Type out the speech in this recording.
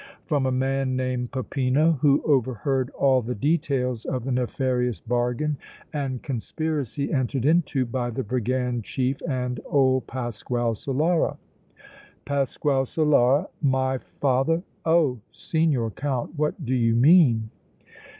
"From a man named Peppino, who overheard all the details of the nefarious bargain and conspiracy entered into by the brigand chief and old Pasquale Solara." "Pasquale Solara? My father! Oh! Signor Count, what do you mean?"